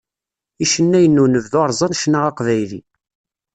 Icennayen n unebdu rẓan ccna aqbayli.